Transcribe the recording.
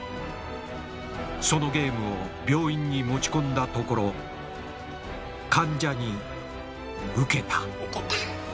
そのゲームを病院に持ち込んだところ患者にウケたウケた。